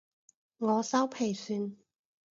我修皮算